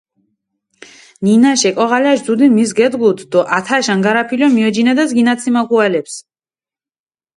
ნინაშ ეკოღალაშ დუდი მის გედგუდჷ დო ათაშ ანგარაფილო მიოჯინედეს გინაციმა ქუალეფს.